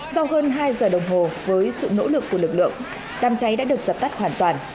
sau hơn hai giờ đồng hồ với sự nỗ lực của lực lượng đám cháy đã được dập tắt hoàn toàn